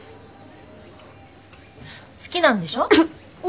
好きなんでしょ？